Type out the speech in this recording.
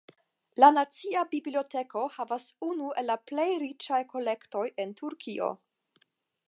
La Nacia Biblioteko havas unu el la plej riĉaj kolektoj en Turkio.